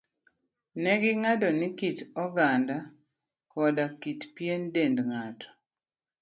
Ne ging'ado ni kit oganda koda kit pien dend ng'ato,